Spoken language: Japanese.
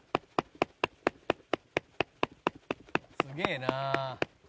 「すげえなあ」